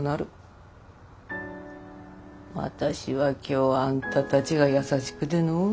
私は今日あんたたちが優しくてのうれしがった。